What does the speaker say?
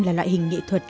là loại hình nghệ thuật